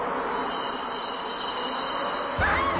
あっ！